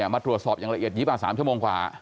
มาตรวจสอบอย่างละเอียดอย่างนี้บ้าง๓ชั่วโมงกว่า